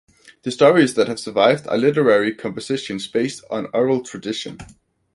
The stories that have survived are literary compositions based on oral tradition.